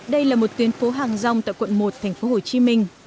đây là một tuyến phố hàng rong tại quận một thành phố hồ chí minh